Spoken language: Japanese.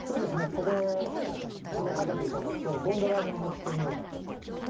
ここへ掛けていただくとゴンドラに乗ってるような写真が撮れます。